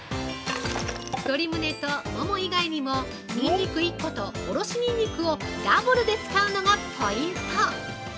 鶏むねともも以外にもニンニク１個とおろしニンニクをダブルで使うのがポイント。